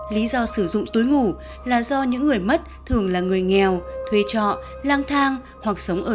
lý do sử dụng túi ngủ là do những người mất thường là người nghèo thuê trọ lang thang hoặc sống ở